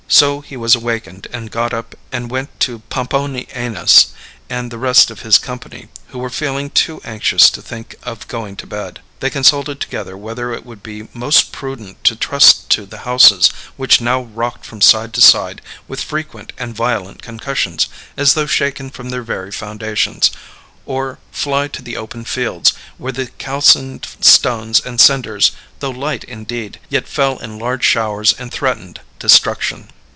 So he was awakened and got up and went to Pomponianus and the rest of his company, who were feeling too anxious to think of going to bed. They consulted together whether it would be most prudent to trust to the houses, which now rocked from side to side with frequent and violent concussions as though shaken from their very foundations, or fly to the open fields, where the calcined stones and cinders, though light indeed, yet fell in large showers and threatened destruction.